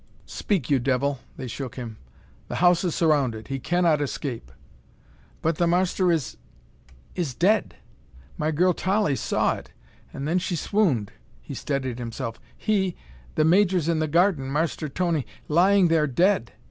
"Speak, you devil!" They shook him. "The house is surrounded. He cannot escape!" "But the marster is is dead! My girl Tollie saw it and then she swooned." He steadied himself. "He the major's in the garden, Marster Tony. Lying there dead!